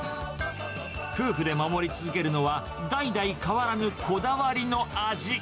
夫婦で守り続けるのは、代々変わらぬこだわりの味。